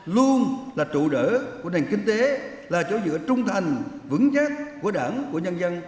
luôn là trụ đỡ của nền kinh tế là chỗ giữa trung thành vững chắc của đảng của nhân dân